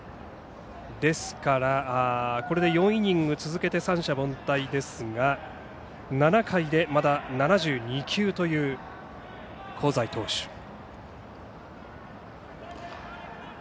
ですから、これで４イニング続けて三者凡退ですが７回でまだ７２球という香西投手。